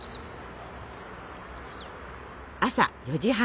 朝４時半。